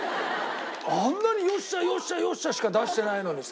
あんなに「よっしゃ！よっしゃ！よっしゃ！」しか出してないのにさ。